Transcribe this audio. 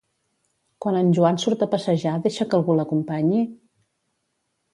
Quan en Joan surt a passejar deixa que algú l'acompanyi?